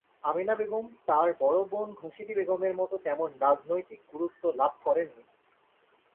আমিনা বেগম তাঁর বড় বোন ঘসেটি বেগমের মতো তেমন রাজনৈতিক গুরুত্ব লাভ করেন নি।